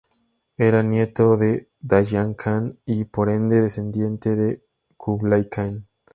Era nieto de Dayan Kan y, por ende, descendiente de Kublai Kan.